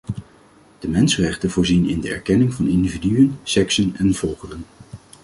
De mensenrechten voorzien in de erkenning van individuen, seksen en volkeren.